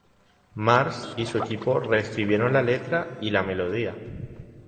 Mars y su equipo reescribieron la letra y la melodía.